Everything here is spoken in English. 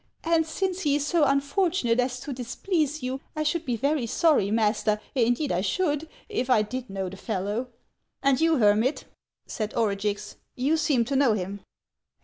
And since he is so unfortunate as to displease you, I should be very sorry, master, indeed *I should, if I did know the fellow." " And you, hermit," said Orugix, —" you seem to know him